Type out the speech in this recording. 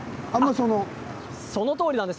そのとおりなんです。